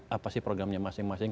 apa sih programnya masing masing